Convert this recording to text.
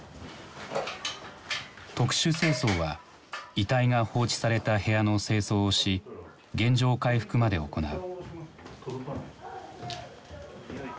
特殊清掃は遺体が放置された部屋の清掃をし原状回復まで行う。